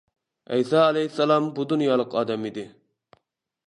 ئەيسا ئەلەيھىسسالام بۇ دۇنيالىق ئادەم ئىدى.